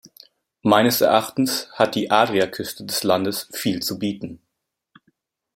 Meines Erachtens hat die Adriaküste des Landes viel zu bieten.